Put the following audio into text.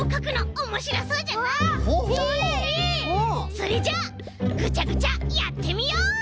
それじゃあぐちゃぐちゃやってみよう！